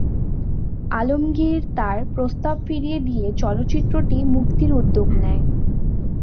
আলমগীর তার প্রস্তাব ফিরিয়ে দিয়ে চলচ্চিত্রটি মুক্তির উদ্যোগ নেয়।